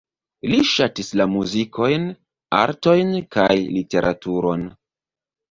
Li ŝatis la muzikojn, artojn kaj literaturon.